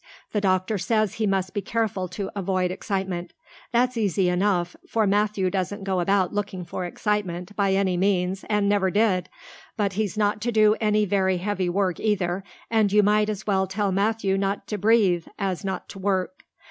The doctor says he must be careful to avoid excitement. That's easy enough, for Matthew doesn't go about looking for excitement by any means and never did, but he's not to do any very heavy work either and you might as well tell Matthew not to breathe as not to work.